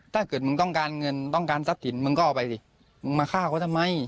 ถ้าเกิดมึงต้องการเงินต้องการทรัพย์สินมึงก็เอาไปสิมึงมาฆ่าเขาทำไม